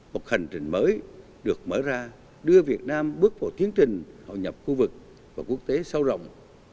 một hành trình mới được mở ra đưa việt nam bước vào tiến trình hội nhập khu vực và quốc tế sâu rộng